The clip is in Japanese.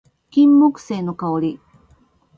金木犀の香り